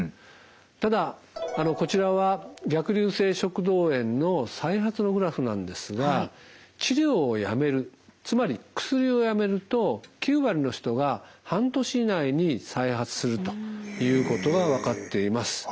ただこちらは逆流性食道炎の再発のグラフなんですが治療をやめるつまり薬をやめると９割の人が半年以内に再発するということが分かっています。